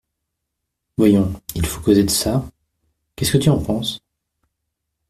Voyons, il faut causer de ça ; qu’est-ce que tu en penses ?